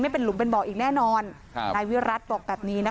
เป็นหลุมเป็นบ่ออีกแน่นอนนายวิรัติบอกแบบนี้นะคะ